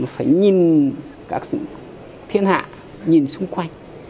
phải nhìn các thiên hạ nhìn xung quanh